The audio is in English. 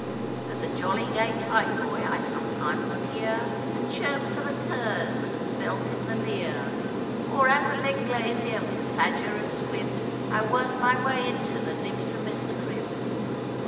As a jolly gay tyke boy I sometimes appear, And chirp for the curs that are spelt in the leer; Or as a leg glazier, with fadger and squibs, I work my way into the nibsomest cribs.